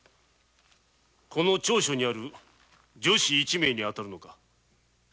この調書にある「女子一名」に当たるのか？